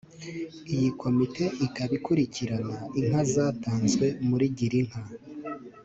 Iyi komite ikaba ikurikirana inka zatanzwe muri Girinka